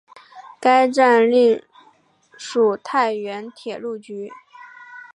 该站隶属太原铁路局。